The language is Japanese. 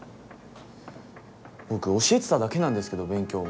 僕教えてただけなんですけど勉強をむしろ。